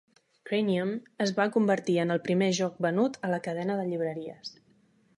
"Cranium" es va convertir en el primer joc venut a la cadena de llibreries.